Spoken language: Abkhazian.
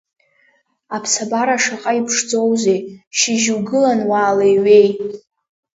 Аԥсабара шаҟа иԥшӡоузеи, шьыжь угылан уаалеиҩеи!